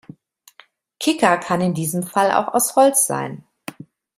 Kicker kann in diesem Fall auch aus Holz sein.